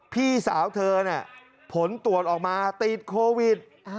พี่สาวเธอผลตรวจออกมาตีดโควิด